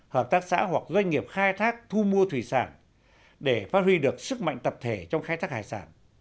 hợp tác xã hoặc doanh nghiệp khai thác thu mua thủy sản để phát huy được sức mạnh tập thể trong khai thác hải sản